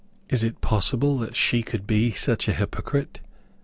Is it possible that she could be such a hypocrite?